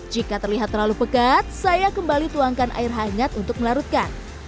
jika terlihat terlalu pekat saya kembali tuangkan air hangat untuk melarutkan